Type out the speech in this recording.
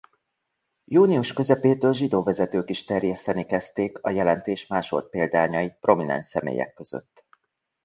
Június közepétől zsidó vezetők is terjeszteni kezdték a jelentés másolt példányait prominens személyek között.